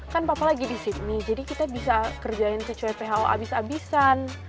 kan papa lagi di sydney jadi kita bisa kerjain ke cuek pho abis abisan